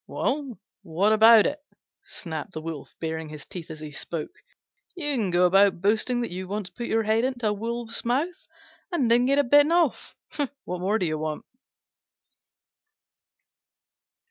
"Well, what about it?" snapped the Wolf, baring his teeth as he spoke; "you can go about boasting that you once put your head into a Wolf's mouth and didn't get it bitten off. What more do you want?"